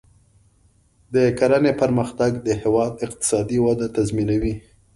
د کرنې پرمختګ د هیواد اقتصادي وده تضمینوي.